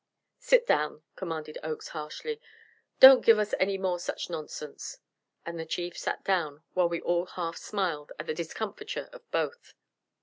"Sit down," commanded Oakes harshly. "Don't give us any more such nonsense," and the Chief sat down, while we all half smiled at the discomfiture of both.